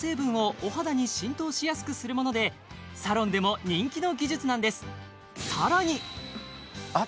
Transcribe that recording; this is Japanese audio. サロンでも人気の技術なんです